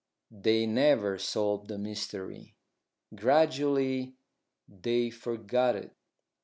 They never solved the mystery; gradually they forgot it.